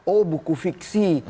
oh buku fiksi